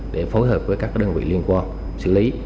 để phối hợp với các đơn vị liên quan xử lý